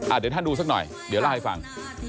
เดี๋ยวท่านดูสักหน่อยเดี๋ยวเล่าให้ฟัง